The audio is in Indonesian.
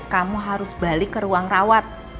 kamu harus balik ke ruang rawat